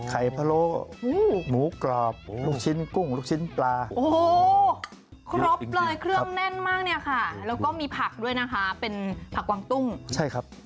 ไข่พะโลกหมูกรอบลูกชิ้นกุ้งลูกชิ้นปลา